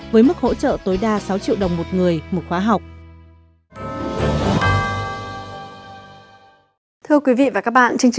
với mức hỗ trợ tối đa sáu triệu đồng một người một khóa học